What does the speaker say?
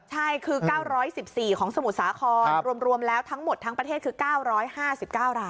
ใช่คือ๙๑๔ของสมุทรสาครรวมแล้วทั้งหมดทั้งประเทศคือ๙๕๙ราย